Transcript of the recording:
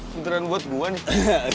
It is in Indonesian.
sentran buat gue nih